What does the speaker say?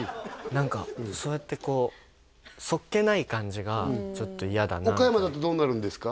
何かそうやってこう素っ気ない感じがちょっと嫌だな岡山だとどうなるんですか？